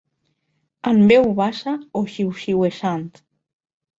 En veu baixa o xiuxiuejant.